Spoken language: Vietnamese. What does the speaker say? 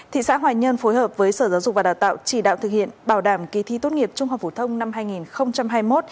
thị xã hoài nhơn phối hợp với sở giáo dục và đào tạo chỉ đạo thực hiện bảo đảm kỳ thi tốt nghiệp trung học phổ thông năm hai nghìn hai mươi một